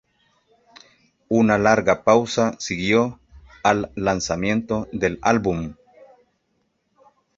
Una larga pausa siguió al lanzamiento del álbum.